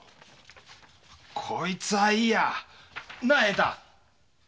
こいつはいいやなあ栄太。